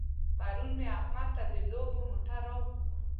پرون مې احمد ته د لوبو موټر راوړ.